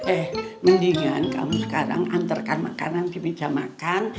eh mendingan kamu sekarang antarkan makanan di meja makan